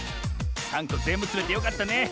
３こぜんぶつめてよかったね。